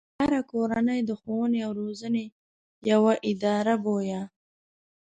هره کورنۍ د ښوونې او روزنې يوه اداره بويه.